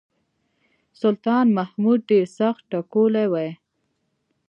سلطان محمود ډېر سخت ټکولی وای.